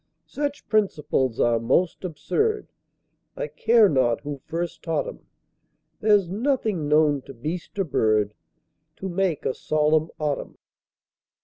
Such principles are most absurd, I care not who first taught 'em; There's nothing known to beast or bird To make a solemn autumn.